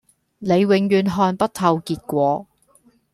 你永遠看不透結果